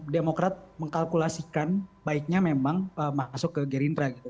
demokrat mengkalkulasikan baiknya memang masuk ke gerindra gitu